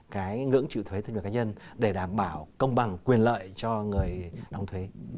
cái ngưỡng chịu thuế thương hiệu cá nhân để đảm bảo công bằng quyền lợi cho người đóng thuế